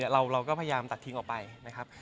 เราก็พยายามตัดทิ้งออกไปนะครับ